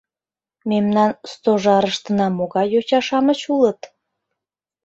— Мемнан Стожарыштына могай йоча-шамыч улыт!